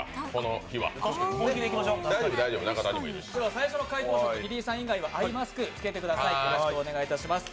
最初の解答者とリリーさん以外はアイマスクを着けてください。